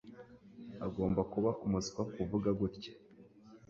Agomba kuba umuswa kuvuga gutya.